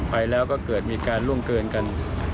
ไปแล้วก็เกิดมีการล่วงเกินกัน